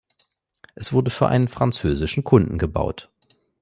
Es wurde für einen französischen Kunden gebaut.